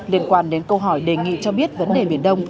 liên quan đến câu hỏi đề nghị cho biết vấn đề biển đông